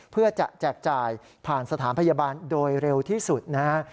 เพื่อจะแจกจ่ายผ่านสถานพยาบาลโดยเร็วที่สุดนะฮะ